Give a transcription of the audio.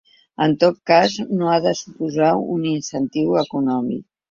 En tot cas, no ha de suposar un incentiu econòmic.